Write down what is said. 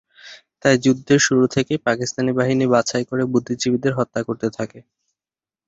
তাই যুদ্ধের শুরু থেকেই পাকিস্তানি বাহিনী বাছাই করে করে বুদ্ধিজীবীদের হত্যা করতে থাকে।